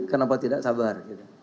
kenapa tidak sabar